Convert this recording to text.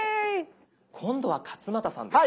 今度は勝俣さんです。